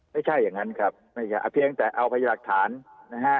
ไม่ใช่อย่างนั้นครับเพียงแต่เอาไปหลักฐานนะฮะ